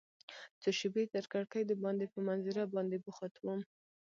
څو شیبې تر کړکۍ دباندې په منظره باندې بوخت وم.